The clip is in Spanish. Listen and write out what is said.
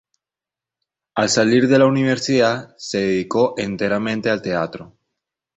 Al salir de la universidad se dedicó enteramente al teatro.